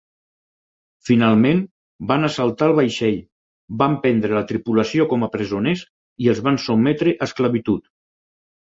Finalment, van assaltar el vaixell, van prendre la tripulació com a presoners i els van sotmetre a esclavitud.